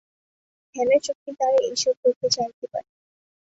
ধ্যানের শক্তি দ্বারাই এইসব লোকে যাইতে পার।